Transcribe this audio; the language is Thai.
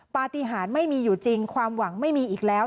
ปฏิหารไม่มีอยู่จริงความหวังไม่มีอีกแล้ว